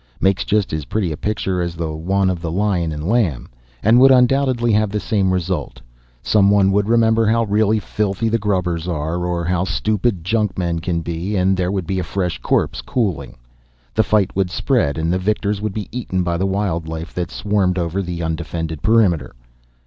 Makes just as pretty a picture as the one of lion and lamb. And would undoubtedly have the same result. Someone would remember how really filthy the grubbers are, or how stupid junkmen can be, and there would be a fresh corpse cooling. The fight would spread and the victors would be eaten by the wildlife that swarmed over the undefended perimeter.